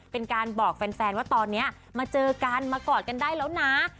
เป็นการบอกแฟนว่าตอนนี้มาเจอกันมากอดกันได้แล้วนะ